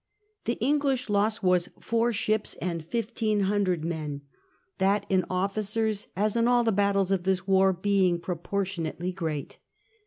The English loss was four ships and 1,500 men ; that in officers, as in all the battles of this war, being proportionately great.